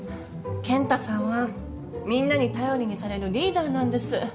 健太さんはみんなに頼りにされるリーダーなんです。